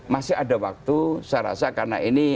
masih ada waktu saya rasa karena ini